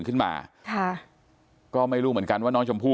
แม่น้องชมพู่แม่น้องชมพู่แม่น้องชมพู่